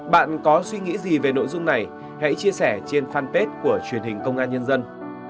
bạn có suy nghĩ gì về nội dung này hãy chia sẻ trên fanpage của truyền hình công an nhân dân